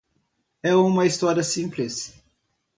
É uma história simples.